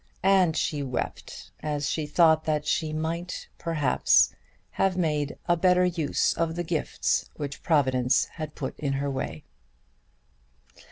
And she wept as she thought that she might perhaps have made a better use of the gifts which Providence had put in her way.